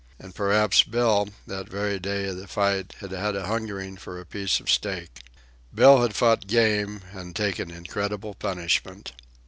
And perhaps Bill, that very day of the fight, had had a hungering for a piece of steak. Bill had fought game and taken incredible punishment.